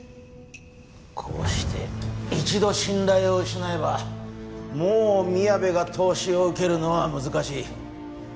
こうして一度信頼を失えばもうみやべが投資を受けるのは難しい。